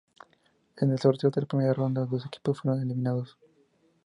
En el sorteo de la primera ronda, dos equipos fueron eliminados.